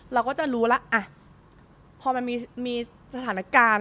เราก็จะรู้แล้วอ่ะพอมันมีสถานการณ์